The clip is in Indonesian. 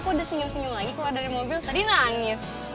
aku udah senyum senyum lagi keluar dari mobil tadi nangis